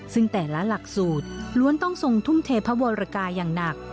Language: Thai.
ซึ่งแต่ละหลักสูตรล้วนต้องทรงทุ่มเทพระวรกายอย่างหนัก